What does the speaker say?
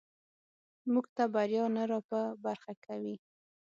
موږ ته بریا نه راپه برخه کوي.